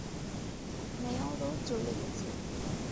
মেয়ারও চলে গেছে।